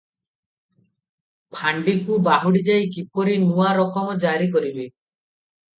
ଫାଣ୍ଡିକୁ ବାହୁଡି ଯାଇ କିପରି ନୂଆ ରକମ ଜାରି କରିବେ